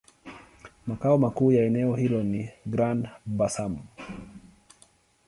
Makao makuu ya eneo hilo ni Grand-Bassam.